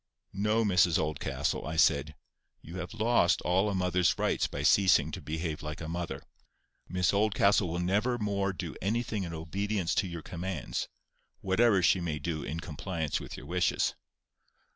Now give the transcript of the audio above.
"No, Mrs Oldcastle," I said. "You have lost all a mother's rights by ceasing to behave like a mother, Miss Oldcastle will never more do anything in obedience to your commands, whatever she may do in compliance with your wishes."